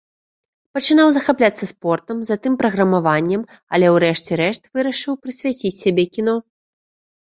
Пачынаў захапляцца спортам, затым праграмаваннем, але ўрэшце рэшт вырашыў прысвяціць сябе кіно.